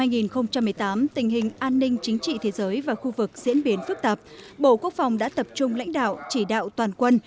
năm hai nghìn một mươi tám tình hình an ninh chính trị thế giới và khu vực diễn biến phức tạp bộ quốc phòng đã tập trung lãnh đạo chỉ đạo toàn quân